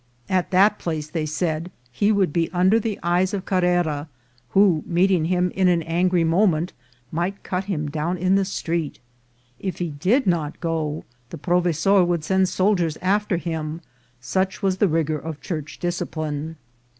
At that place, they said, he would be under the eyes of Carre ra, who, meeting him in an angry moment, might cut him down in the street. If he did not go, the provesor would send soldiers after him, such was the rigour of church discipline.